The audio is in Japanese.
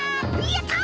やった！